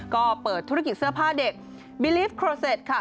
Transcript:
ก็เปิดธุรกิจเสื้อผ้าเด็กบิลิฟต์โครเซตค่ะ